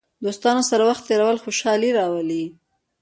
دوستانو سره وخت تېرول خوشحالي راولي.